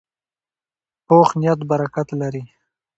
پوخ نیت برکت لري